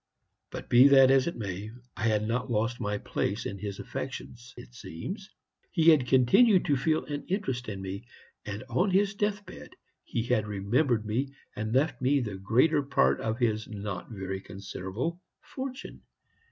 Be that as it may, I had not lost my place in his affections, it seems: he had continued to feel an interest in me; and on his deathbed he had remembered me, and left me the greater part of his not very considerable fortune.